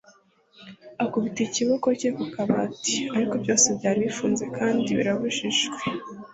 Akubita ikiboko cye ku kabati, ariko byose byari bifunze kandi birabujijwe;